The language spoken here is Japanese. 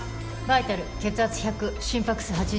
バイタル血圧１００心拍数８０でサイナス。